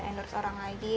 iya endorse orang lagi